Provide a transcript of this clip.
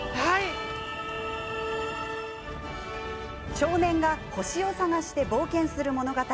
少年が星を探して冒険する物語。